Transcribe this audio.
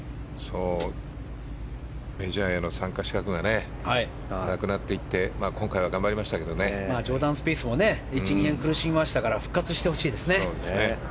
メジャーへの参加資格がなくなっていってジョーダン・スピースも１２年、苦しみましたから復活してほしいですね。